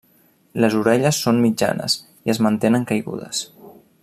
Les orelles són mitjanes i es mantenen caigudes.